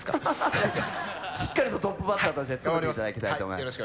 しっかりとトップバッターとして務めていただきたいと思います